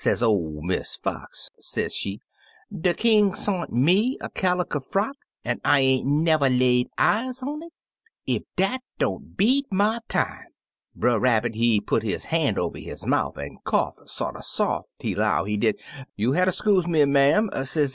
sez ol' Miss Fox, se'she; 'de King sont me a caliker frock, an' I ain't never lay eyes on it I Ef dat don't beat my time!' Brer Rabbit, he put his han' over his mouf an' cough sorter sof; he 'low, he did, 'You'll hatter skuzen me, ma'am,' sezee.